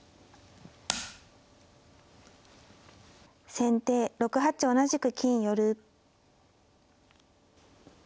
先手６八同じく金寄。